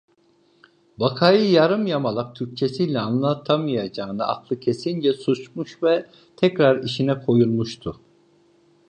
Vakayı yarım yamalak Türkçesiyle anlatamayacağını aklı kesince susmuş ve tekrar işine koyulmuştu.